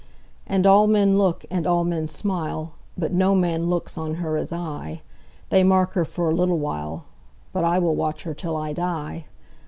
And all men look, and all men smile, But no man looks on her as I:They mark her for a little while, But I will watch her till I die.